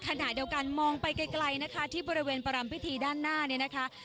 ขณะเดียวกันมองไปไกลนะคะที่บริเวณประรำพิธีด้านหน้าเนี่ยนะคะ